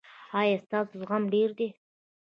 ایا ستاسو زغم ډیر دی؟